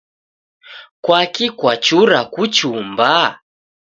Kwaki kwachura kuchumba?